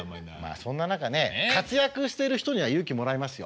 そんな中ね活躍してる人には勇気もらいますよ。